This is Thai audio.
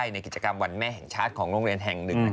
ในกิจกรรมวันแม่แห่งชาติของโรงเรียนแห่งหนึ่ง